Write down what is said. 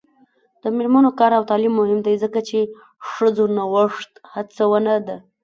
د میرمنو کار او تعلیم مهم دی ځکه چې ښځو نوښت هڅونه ده.